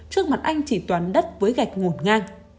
trước mặt anh chỉ toán đất với gạch ngột ngang